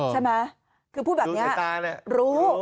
ใช่ไหมคือพูดแบบนี้รู้